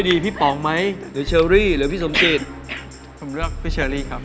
ดิพี่ป๋องไหมหรือเจอรี่หรือทรมกิจคำว่าก็พี่เชอริครับ